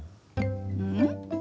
うん？